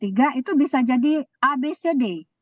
itu bisa jadi abcd